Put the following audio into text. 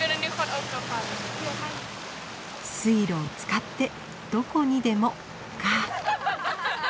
水路を使ってどこにでも！か。